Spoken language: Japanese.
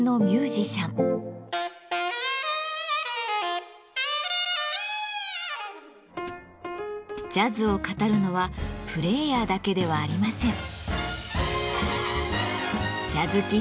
ジャズを語るのはプレーヤーだけではありません。